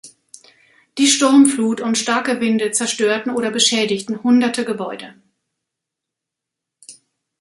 Die Sturmflut und starke Winde zerstörten oder beschädigten hunderte Gebäude.